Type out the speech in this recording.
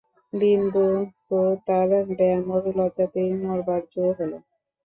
বিন্দু তো তার ব্যামোর লজ্জাতেই মরবার জো হল।